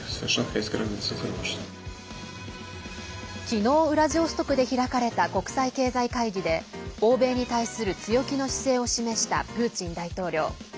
昨日ウラジオストクで開かれた国際経済会議で欧米に対する強気の姿勢を示したプーチン大統領。